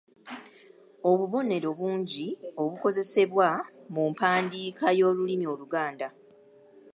Obubonero bungi obukozesebwa mu mpandiika y’olulimi Oluganda.